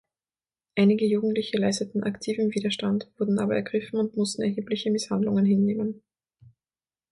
Einige Jugendliche leisteten aktiven Widerstand, wurden aber ergriffen und mussten erhebliche Misshandlungen hinnehmen.